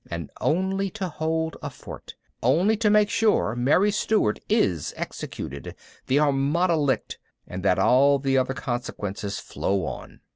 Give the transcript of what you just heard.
And only to hold a fort! Only to make sure Mary Stuart is executed, the Armada licked, and that all the other consequences flow on.